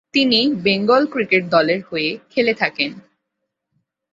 তিনি Bengal cricket দলের হয়ে খেলে থাকেন।